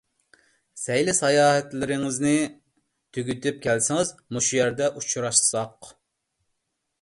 سەيلە - ساياھەتلىرىڭىزنى تۈگىتىپ كەلسىڭىز، مۇشۇ يەردە ئۇچراشساق.